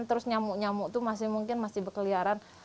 terus nyamuk nyamuk itu masih mungkin masih berkeliaran